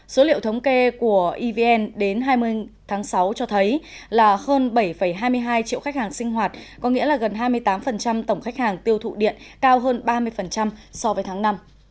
số liệu thống kê của evn đến hai mươi tháng sáu cho thấy là hơn bảy hai mươi hai triệu khách hàng sinh hoạt có nghĩa là gần hai mươi tám tổng khách hàng tiêu thụ điện cao hơn ba mươi so với tháng năm